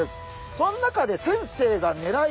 その中で先生がねらい